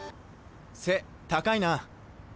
背高いな。